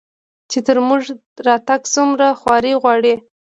چې تر موږه راتګ څومره خواري غواړي